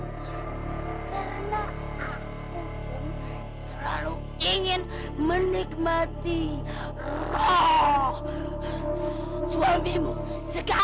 karena aku pun selalu ingin menikmati roh suamimu sekar